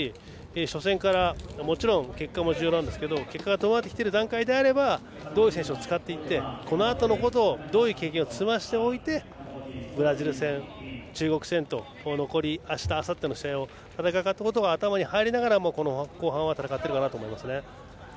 初戦からもちろん結果も重要ですが結果が伴ってきている段階であればほかの選手を使っておいてこのあとのことをどういう経験を積ませておいてブラジル戦、中国戦と残りあした、あさっての試合をどう戦うかを頭に入れながらも後半は戦っているのかなと思います。